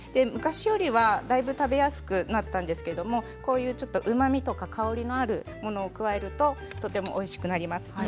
昔よりはだいぶ食べやすくなったんですけれどこういう、うまみとか香りのあるものを加えるととてもおいしくなります。